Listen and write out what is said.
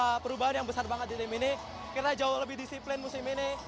ada perubahan yang besar banget di tim ini kira jauh lebih disiplin musim ini